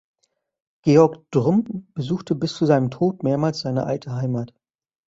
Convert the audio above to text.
Georg Drumm besuchte bis zu seinem Tod mehrmals seine alte Heimat.